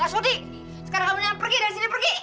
gak sudi sekarang kamu yang pergi dari sini pergi